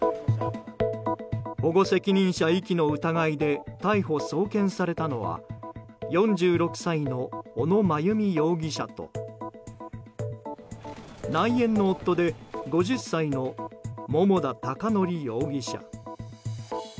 保護責任者遺棄の疑いで逮捕・送検されたのは４６歳の小野真由美容疑者と内縁の夫で５０歳の桃田貴徳容疑者。